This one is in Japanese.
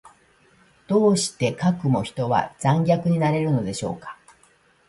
どうしてかくも人は残虐になれるのでしょうか。